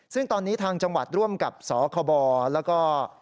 ซึ่งตอนนี้ทางจังหวัดร่วมกับสคบแล้วก็